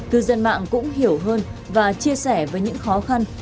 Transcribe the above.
cư dân mạng cũng hiểu hơn và chia sẻ với những khó khăn